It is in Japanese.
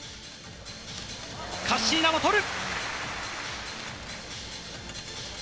カッシーナもとる。